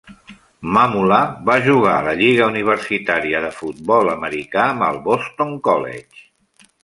Mamula va jugar a la lliga universitària de futbol americà amb el Boston College.